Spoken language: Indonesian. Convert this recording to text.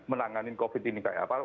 menangani covid ini kayak apa